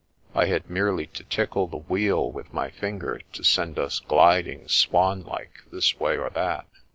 I had merely to tickle the wheel with my finger, to send us gliding, swanlike, this way or that.